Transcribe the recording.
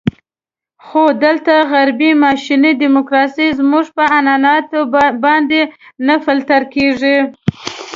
خو دلته غربي ماشیني ډیموکراسي زموږ په عنعناتو باندې نه فلتر کېږي.